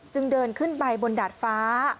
เดินขึ้นไปบนดาดฟ้า